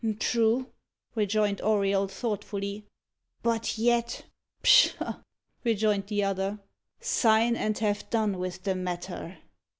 "True," rejoined Auriol thoughtfully; "but yet " "Pshaw!" rejoined the other, "sign, and have done with the matter."